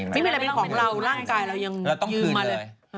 มีอะไรเป็นของเราร่างกายเรายังต้องคืนมาเลย